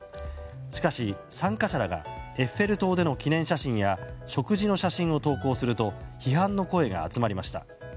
しかし参加者らがエッフェル塔での記念写真や食事の写真を投稿すると批判の声が集まりました。